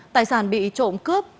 tài sản bị trộm cướp